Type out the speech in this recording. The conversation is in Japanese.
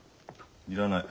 要らない。